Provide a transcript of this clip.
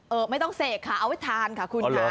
ไม่ต้องเสกค่ะเอาไว้ทานค่ะคุณค่ะ